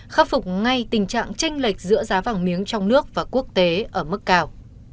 khắc phục ngay tình trạng tranh lệch giữa giá vàng miếng trong nước và quốc tế ở mức cao